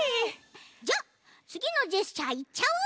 じゃあつぎのジェスチャーいっちゃおう！